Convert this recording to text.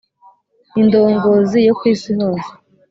indongoozi yo ku isi hose